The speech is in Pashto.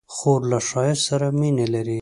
خور له ښایست سره مینه لري.